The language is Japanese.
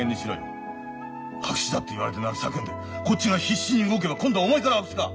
白紙だって言われて泣き叫んでこっちが必死に動けば今度はお前から白紙か！